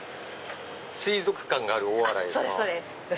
水族館がある大洗ですか？